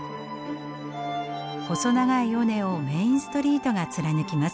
細長い尾根をメインストリートが貫きます。